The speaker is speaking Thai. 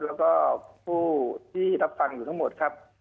แล้วก็ผู้ที่รับฟังอยู่ทั้งหมดครับ